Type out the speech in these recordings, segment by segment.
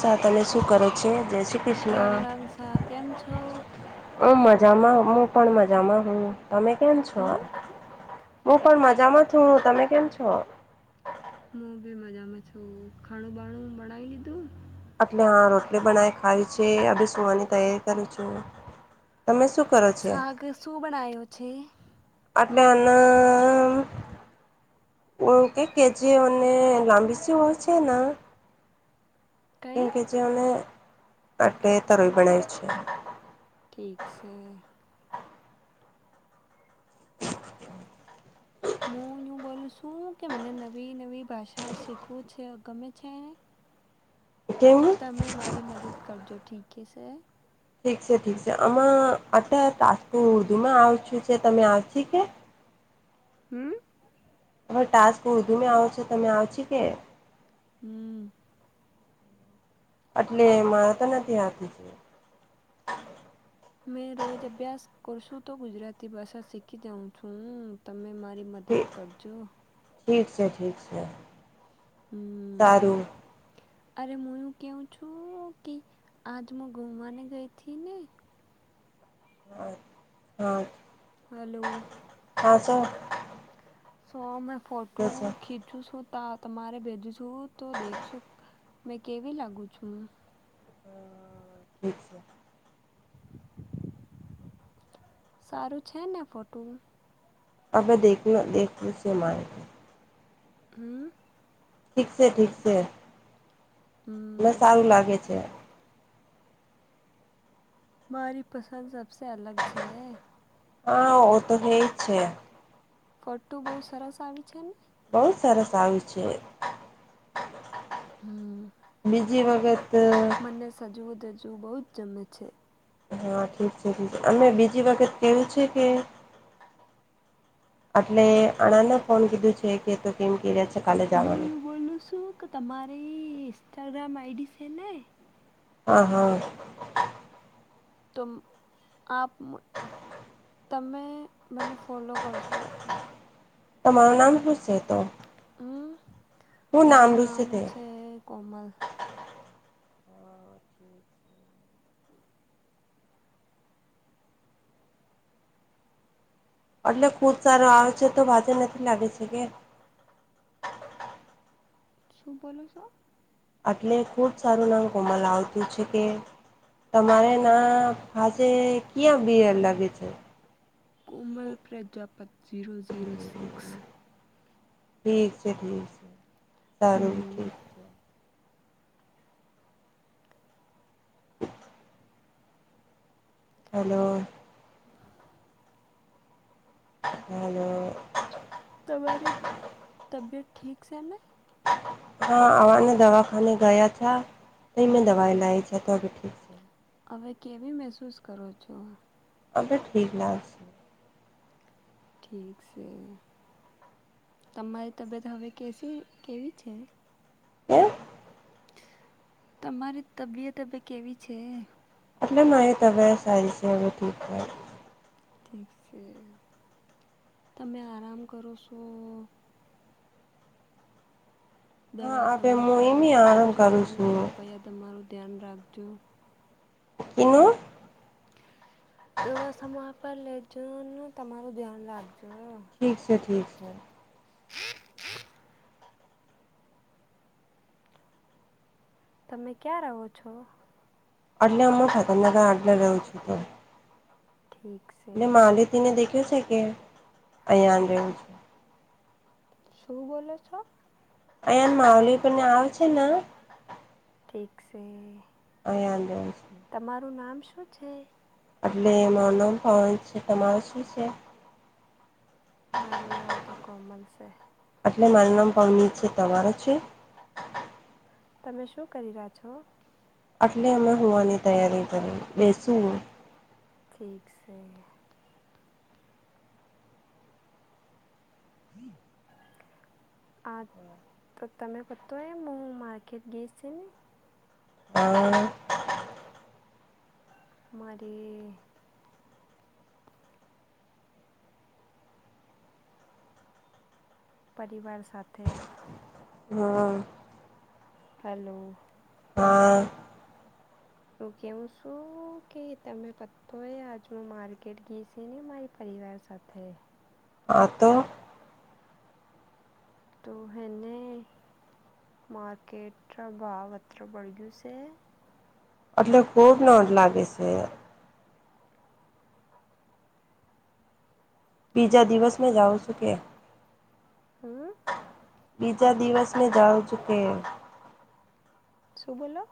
સા તને શું કરે છે, જય શ્રી કૃષ્ણ રામ રામ શાહ કેમ છો હ મજામાં હું પણ મજામાં હું તમે કેમ છો? હમ આ હું પણ મજામાં છું, હું તમે કેમ છો? હું બી મજામાં છું ખાણું બાણું બનાવી લીધું? એટલે હા રોટલી બનાવી ખાવી છે અભી સુવાની તૈયારી કરી છું. તમે શું કરો છો શક શું બનાયું છે? અટન ક કે જે અને લાંબી શ હોય છે, કઈ એમ કે જે આટેટે તરઈ બનાવી છે, ઠીક છે, મૂનું હુ બોલું શું કે મને નવી નવી ભાષા શીખવું છે, ગમે છેને કેમ તમે મારી મદદ કરજો ઠીક છે, ઠીક છે ઠીક છે, આમાં અત તાજપુર ઉર્દુમાં આવ છું છે તમે આવશ કે? હમ્મ હવે ટાસ્ક ઉર્દુમાં આવો છો, તમે આવ છ કે? હમ્મ એટલે મારે તો નથી હકી છે, મેં રોજ અભ્યાસ કરશું તો ગુજરાતી ભાષા શીખી જાઉં છું, હું તમે તેરી મદદ કરજો. ઠીક છે ઠીક છે હમ સારું, અરે હું એવું કહું છું, કે આજ હું ગુમવાને ગઈ હતી ને હા હા હાલો હા સર સો મેં ફોટો દસો ખીચું છું, ત તમારે ભેજું છું તો દેખશું મેં કેવી લાગુ છું? હ ઠીક છે સારું છે ને ફોટું અવે દેખું ના દેખું સે મારે હમ ઠીકસે ઠીક છે એટલે હમ સારું લાગે છે મારી પસંદ સબસે અલગ છે હા ઓ તો હે છે ફોટો બહુ સરસ આવી છે ને બહુ સરસ આવી છે હમ બીજી વખત મને સજવું ધજવું બહુ જ જમે છે હા ઠીક છે ઠીક છે અમે બીજી વખત કેવું છે કે એટલે અણને ફોન કીધું છે કે તો કેમ ક્યા છે કાલે હું જવાનું એવું બોલું છું કે તમારી ઇન્સ્ટાગ્રામ આઈડી છે ને હા હા તુમ આપ તમે મને ફોલો કરશો તમારું નામ હું સે તો હું હું મારું નામ રૂસે તે છે કોમલ એટલે ખુદ સારો આવે છે તો ભાજે નથી લાગે છે કે શું બોલો છો આટલે ખૂબ બ સારું ના કોમલ આવતું છે કે તમારે હા ના પાસે [unintelligible] લાગે છે કોમલ ઠીક પ્રજાપતિ જઝીરો જઝીરો સિક્સ ઠીક છે ઠીક છે સારું હમ ઠીક છે હલો હલો તમારી તબિયત ઠીક છે ને હા અવાને દવાખાને ગયા થા તે એ મેં હમ દવાઈ લાયી છે તો અ ઠીક છે હવે કેવી મહેસૂસ કરો છો અવે ઠી લાગશે ઠીક છે તમારી તબિયત હવે કેસી કેવી છે હમ તમારી તબિયત હવે કેવી છે એટલે મારી તબિયત સારી છે ઠીક છે ઠીક છે તમે આરામ કરો છો દવા હા હવે હું સમયે એમ આરામ લેજો કરું છું કૃપયા તમારું ધ્યાન રાખજો એવું દવા સમયે પર લેજો ન તમારું ધ્યાન રાખજો ઠીક છે ઠીક છે તમે ક્યાં રહો છો એટલે હું [unintelligible] આટલે રહું છું તો ઠીક છે. એટલે માલતીને દેખ્યો છે કે અહીયા રહીને શું બોલો છો અહંયા માવલી પણને આવે છે ને [unintelligible] [unintelligible] તમારું નામ શું છે એટલે મારો નમ ફન્ટ છે, તમારું શું છે? મારું નામ તો કોમલ છે. એટલે મારું નામ પરનીિત છે તમારા છે? તમે શું કરી રહ્યા છો? એટલે અમે હોવાની તૈયારી કરી બેસુ ઠક છે, આ પ્રથમમે પ્રત એ મુું માર્કેટ ગઈસ હમ્મ મારી પરિવાર સાથે હા હેલો. હા [unintelligible] હું કેવું શું કે તમે પતો એ આજનું માર્કેટ ગેસે ને મારી પાછ પરિવાર સાથે હા તો તો એેને માર્કેટ પ્રભાવ અત્ર બળગયું છે, એટલે ખૂબ નોંધ લાગે છે, બીજા દિવસ મેં જાઉં છું કે હમ બીજા દિવસ મેને જાઉું ચું કે, શું બોલો?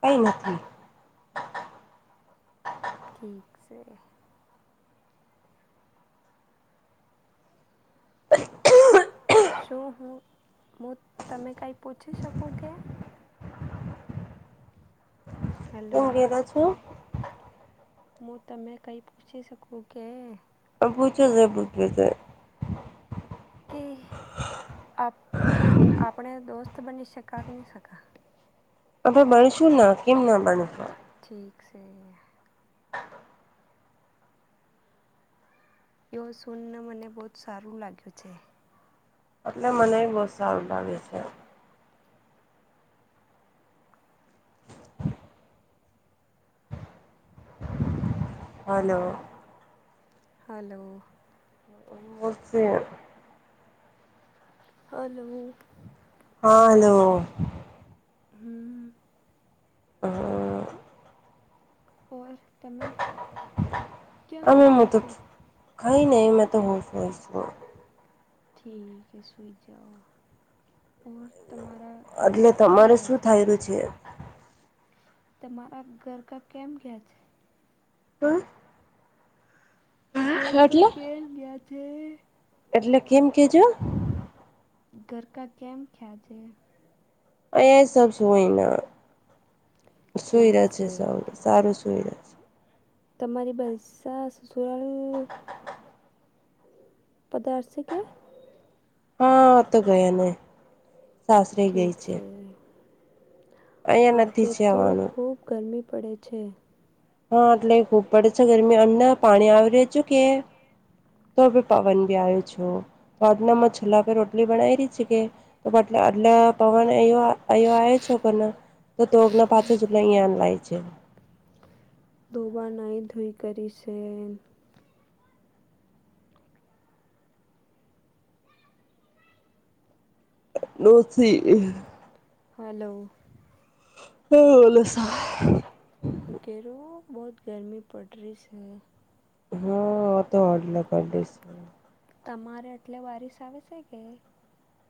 કઈ નથી [unintelligible] [unintelligible] શું હું હું તમે કઈ પૂછી શકું કે? હલો એમ કધા છું, હું તમે કઈ પૂછી શકું કે? બુજો જે બુજવ છે, કે આપ આપણે દોસ્ત બની શકા કે નહી શ? હવે ભણશું ના કેમ ના બણશું? ઢીક છે એવ સુનને મને બહ જ સારું લાગ્યું છે, એટલે મને બહુ સારું લાગે છે, [unintelligible] હલો હલો બ વસ્ છે હાલો હા હલો, હમ્મ હા ઓર તમે ક્યા કર રહ છો, નહી નહી મેં તો હોફ હોશ છું, ઠીક છે સુઈ જાઓ ઓર તમારા ઘર એટલે ઘ કેમ તમારે ગયા શું છે, થઈ રહ્યું તમારા ગરકા કેમ ગયા છે, [unintelligible] છે ઘરકા એટલે કેમ ગયા છે, એટલે કેમ કેજો ગરકા કેમ ખ્યા છે? એ સબ સુઈ અહીંયા, સૂઈ રહ્યા છે સબ, સારું સૂઈ રે તમારી બલસા સસુરાલ [unintelligible] પદારસી કે? હા, તો ગયા ને, સાસરે ગઈ છે. અહિયાં આજે નથી છે તો આવવાનું ખુબ ગરમી પડે છે. હા, એટલે ખૂબ પડે છે ગરમી અને પાણી આવી રે છેુ કે? તો ભી પવન બી આયો છો. તો આજનામાં છલ્લા બે રોટલી બનાઈ રેહ છે કે તો માટલા આટલા પવન આયો આ અયો આઈ છે. છોકોના, તો તોના પાછા [unintelligible] અંયા લય છે. દોબા ન ધુઈ કરી છે. નથી. હલો [unintelligible] તું કેરૂ, બહુત ગરમી પડ રી છે હૈ હા, આતો [unintelligible] છે. તમારે એટલે વારિસ આવે છે કે?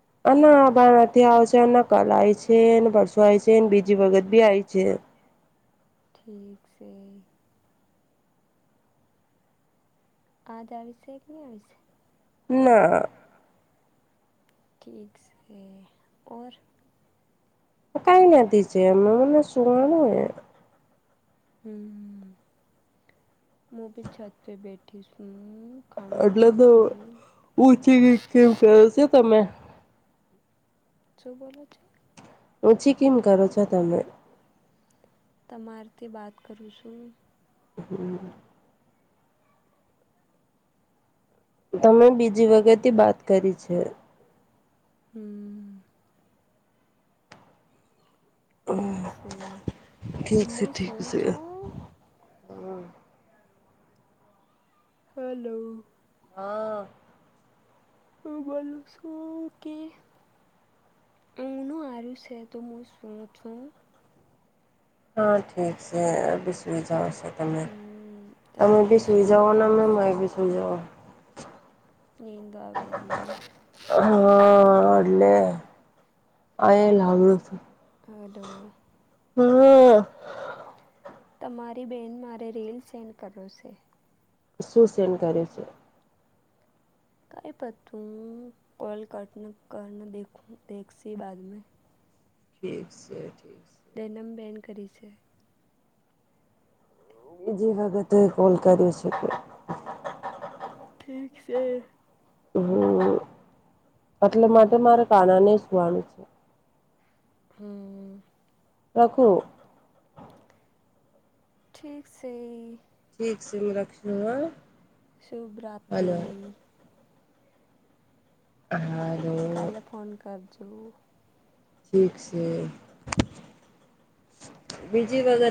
[unintelligible] માં નથી આવશે, કલ આઈ છે, પરસો આવી છે બીજી વખત બી આઇ છે ઠીક છે. આ દ આવીશે કે ની આવીશે ના. ઠીક છે, ઓર કઈ નથી છે, એ મને સુવાનું એ હમ્મ, મુું ભી છત પે બેઠી છું. ખાણું એટલે બાણું તો ખાઈ ઓછી નીંદ કેમ કર છે, તમે? શું બોલો છો? ઓછી કેમ કરો છો, તમે? તમારથી બાત કરું છું. હમ્મ. તમે બીજી વગતથી વાત કરી છે. હમ્મ. ઠીક છે, ઠીક હું છે એ ઠીક શું છે છું. હલો. હા. હું બોલું છું કે હનું આ છે, તો મું સૂવું છું. હા ઠીક છે, હું ભી સુઇ જવું છું. તમે હમ તમે બી સુઈ જઓ સૂઈ ને જાઓ મેમે મ છો એ બી સુઈ જઓ. નીંદ આવેરીહે [unintelligible] હલો. હા તમારી બેહેન મારે રીલ સેન્ડ કરો છે. સુ સેન્ડ કરે છે? કઈ પ તું કોલ કટ ન કર, દેખું દેખશ બાદ મે ઠીક છે, ઠીક છે તેનમ બેન કરી છે. બીજી વખતે કોલ કર્યું છે કે? ઠીક છે. હમ એટલે માટે હમ મારા કાના ને સુવાનું છે હમ રાખું ઠીક છે શ્રી લક્ષ્મી શુભરાત્રિ હા કાલે ફોન કરજો ઠીક છે બીજી વખત